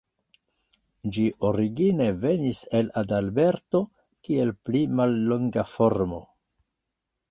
Ĝi origine venis el Adalberto, kiel pli mallonga formo.